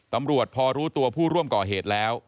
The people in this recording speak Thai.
ตำรวจพอรู้ตัวผู้ร่วมก่อเหตุแล้ว